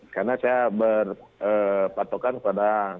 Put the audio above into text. karena saya berpatokan kepada sesuatu yang selalu tersisa